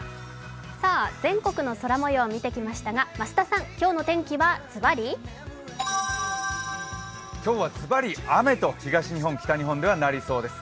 全国の空もよう見てきましたが、増田さん、今日の天気はズバリ？今日はズバリ雨と東日本、北日本ではなりそうです。